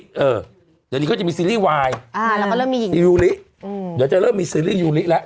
เดี๋ยวนี้เขาจะมีซีรีส์วายอ่าแล้วก็เริ่มมีหญิงยูริอืมเดี๋ยวจะเริ่มมีซีรีส์ยูริแล้ว